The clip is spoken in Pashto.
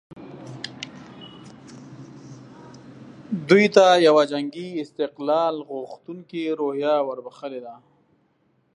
دوی ته یوه جنګي استقلال غوښتونکې روحیه وربخښلې ده.